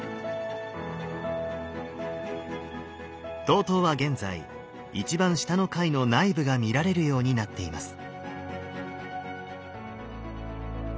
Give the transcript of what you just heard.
東塔は現在一番下の階の内部が見られるようになっています。